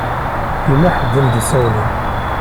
Yella ḥedd i m-d-isawlen.